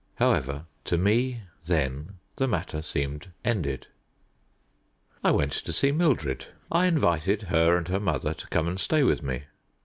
However, to me, then, the matter seemed ended. I went to see Mildred; I invited her and her mother to come and stay with me.